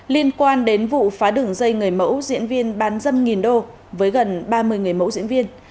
liên quan đến vụ phá đường dây người mẫu diễn viên bán dâm đô với gần ba mươi người mẫu diễn viên